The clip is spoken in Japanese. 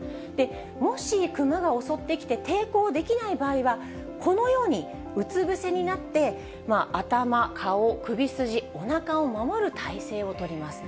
もし、クマが襲ってきて、抵抗できない場合は、このようにうつ伏せになって、頭、顔、首筋、おなかを守る体勢を取ります。